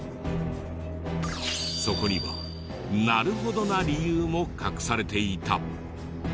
そこにはなるほどな理由も隠されていた。